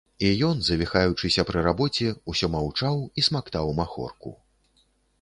І ён, завіхаючыся пры рабоце, усё маўчаў і смактаў махорку.